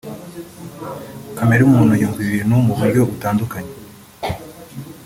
Kamere muntu yumva ibintu mu buryo butandukanye